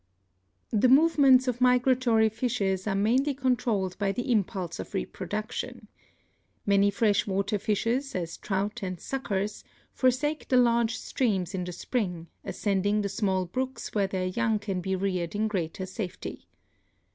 The movements of migratory fishes are mainly con trolled by the impulse of reproduction. Many fresh water fishes, as trout and suckers, forsake the large streams in the spring, ascending the small brooks where their young can be reared in greater safety.